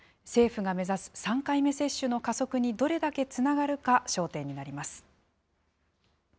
政府が目指す３回目接種の加速にどれだけつながるか、焦点になります。